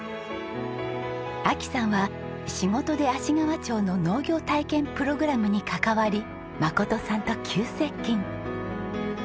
亜紀さんは仕事で芦川町の農業体験プログラムに関わり真さんと急接近。